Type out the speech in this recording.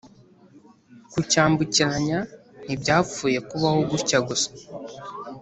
kucyambukiranya ntibyapfuye kubaho gutya gusa